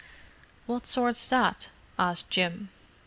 "What sort's that?" asked Jim.